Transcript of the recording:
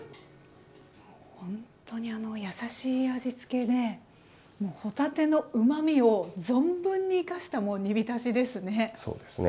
ほんとにあの優しい味付けで帆立てのうまみを存分に生かした煮びたしですね。